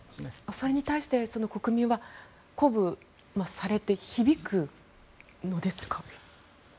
それに対して国民は鼓舞されて響くのですか？